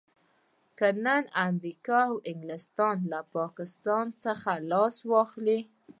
که نن امريکا او انګلستان له پاکستان څخه لاس واخلي.